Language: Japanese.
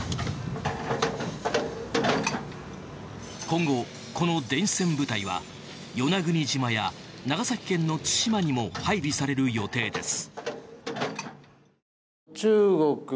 今後、この電子戦部隊は与那国島や長崎県の対馬にも配備される予定です。